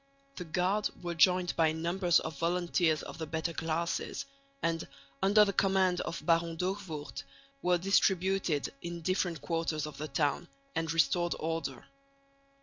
The guard were joined by numbers of volunteers of the better classes and, under the command of Baron D'Hoogvoort, were distributed in different quarters of the town, and restored order.